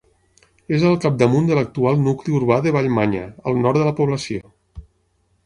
És al capdamunt de l'actual nucli urbà de Vallmanya, al nord de la població.